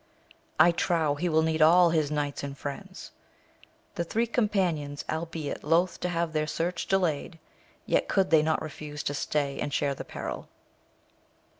I trow he will need all his knights and friends ! The three companions, albeit loth to have their search delayed, yet could they not refuse to stay and share the peril.